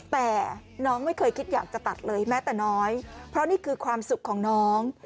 แต่น้องไม่เคยคิดอยากจะตัดเลยแม้แต่น้อยเพราะนี่คือความสุขของน้อง